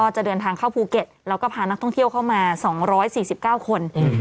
จะเดินทางเข้าภูเก็ตแล้วก็พานักท่องเที่ยวเข้ามา๒๔๙คน